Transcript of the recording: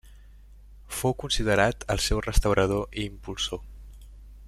Fou considerat el seu restaurador i impulsor.